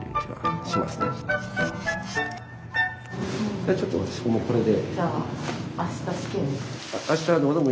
じゃあちょっと私もうこれで。